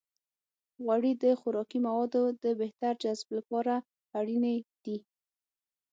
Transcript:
غوړې د خوراکي موادو د بهتر جذب لپاره اړینې دي.